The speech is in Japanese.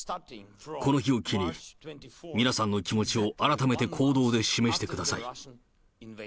この日を機に、皆さんの気持ちを改めて行動で示してください。